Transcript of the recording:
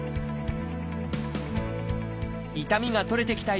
痛みが取れてきた